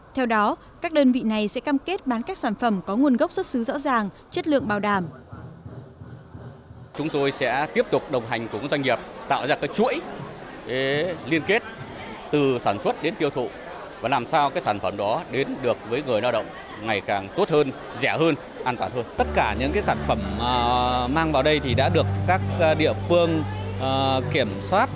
theo đó các đơn vị này sẽ cam kết bán các sản phẩm có nguồn gốc xuất xứ rõ ràng chất lượng bảo đảm